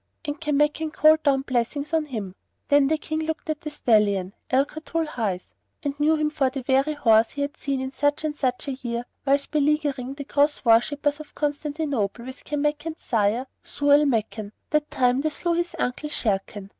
And Kanmakan called down blessings on him. Then the King looked at the stallion, Al Katul highs, and knew him for the very horse he had seen in such and such a year whilst beleaguering the Cross worshippers of Constantinople with Kanmakan's sire, Zau al Makan, that time they slew his uncle Sharrkan.